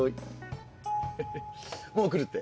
もう来るって。